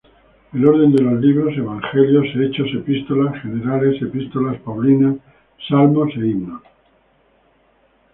El orden de los libros: Evangelios, Hechos, epístolas generales, epístolas paulinas, Salmos, e himnos.